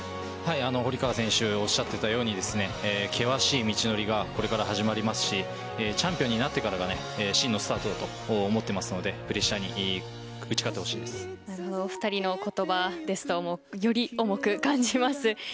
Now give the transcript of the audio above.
堀川選手おっしゃっていたように険しい道のりがこれから始まりますしチャンピオンになってから真のスタートだと思っていますのでプレッシャーにお二人の言葉ですとより重く感じます。